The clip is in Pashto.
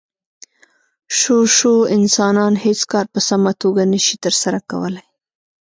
شو شو انسانان هېڅ کار په سمه توګه نشي ترسره کولی.